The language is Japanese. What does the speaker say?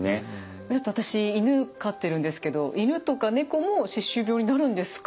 私犬飼ってるんですけど犬とか猫も歯周病になるんですか？